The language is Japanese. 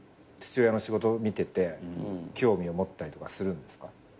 父親の仕事見てて興味を持ったりとかするんですか？